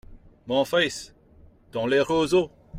Mon fils… dans les roseaux !